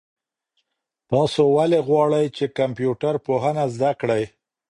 تاسو ولې غواړئ چي کمپيوټر پوهنه زده کړئ؟